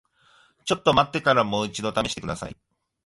ちょっと待ってからもう一度試してください。